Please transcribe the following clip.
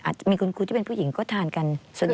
อาจจะมีคุณครูที่เป็นผู้หญิงก็ทานกัน